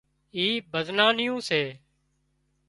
اي ڀزنان نيون سي